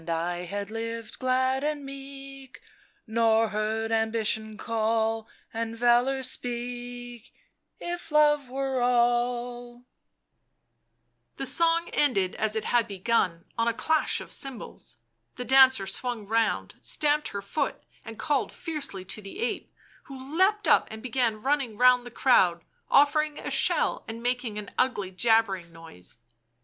I had lived glad and meek, Nor heard Ambition call " And Valour speak, If Love were all I" The song ended as it had begun on a clash of cymbals ; the dancer swung round, stamped her foot and called fiercely to the ape, who leapt up and began running round the crowd, offering a shell and making an ugly jabbering noise.